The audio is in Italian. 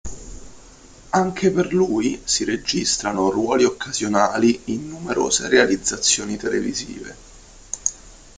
Anche per lui si registrano ruoli occasionali in numerose realizzazioni televisive.